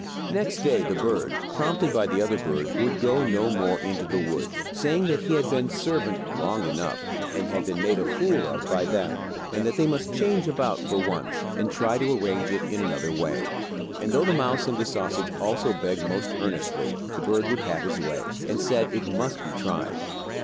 Next day the bird, prompted by the other bird, would go no more into the wood, saying that he had been servant long enough, and had been made a fool of by them, and that they must change about for once, and try to arrange it in another way. And, though the mouse and the sausage also begged most earnestly, the bird would have his way, and said it must be tried.